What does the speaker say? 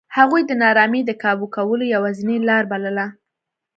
هغوی د نارامۍ د کابو کولو یوازینۍ لار بلله.